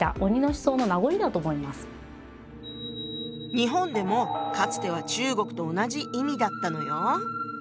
日本でもかつては中国と同じ意味だったのよ。